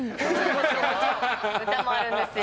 歌もあるんですよ。